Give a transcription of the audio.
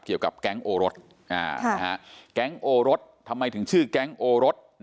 เกี่ยวกับแก๊งโอรสแก๊งโอรสทำไมถึงชื่อแก๊งโอรส